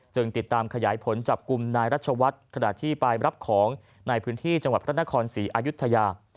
ติดตามขยายผลจับกลุ่มนายรัชวัฒน์ขณะที่ไปรับของในพื้นที่จังหวัดพระนครศรีอายุทยา